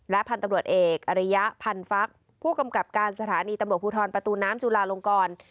พันธุ์ตำรวจเอกอริยพันฟักผู้กำกับการสถานีตำรวจภูทรประตูน้ำจุลาลงกร